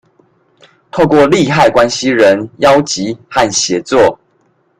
透過利害關係人邀集和協作